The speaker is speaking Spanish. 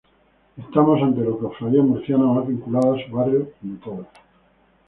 Estamos ante la cofradía murciana más vinculada a su barrio de todas.